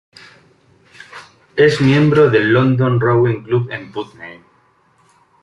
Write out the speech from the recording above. Es miembro del London Rowing Club en Putney.